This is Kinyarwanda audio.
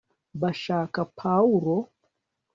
bashaka pawulo